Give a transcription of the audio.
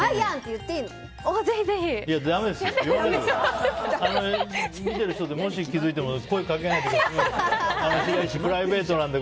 見てる人で、もし気づいても声をかけないで。